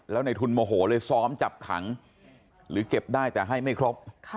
แล้วในทุนโมโหเลยซ้อมจับขังหรือเก็บได้แต่ให้ไม่ครบ